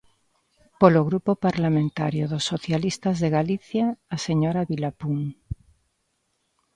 Polo Grupo Parlamentario dos Socialistas de Galicia, a señora Vilapún.